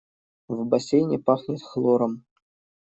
В бассейне пахнет хлором.